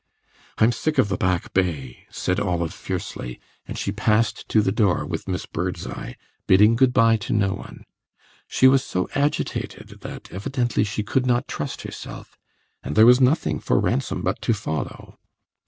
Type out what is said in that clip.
"I'm sick of the Back Bay!" said Olive fiercely; and she passed to the door with Miss Birdseye, bidding good bye to no one. She was so agitated that, evidently, she could not trust herself, and there was nothing for Ransom but to follow.